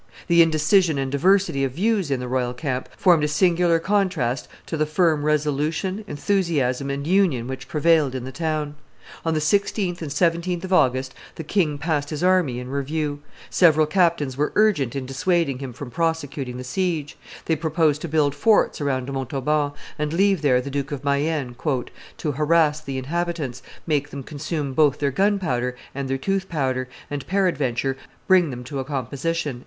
The indecision and diversity of views in the royal camp formed a singular contrast to the firm resolution, enthusiasm, and union which prevailed in the town. On the 16th and 17th of August the king passed his army in review; several captains were urgent in dissuading him from prosecuting the siege; they proposed to build forts around Montauban, and leave there the Duke of Mayenne "to harass the inhabitants, make them consume both their gunpowder and their tooth powder, and, peradventure, bring them to a composition."